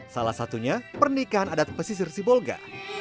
salah satunya pernikahan adat pesisir sibolga